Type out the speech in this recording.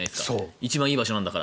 一番いい場所なんだから。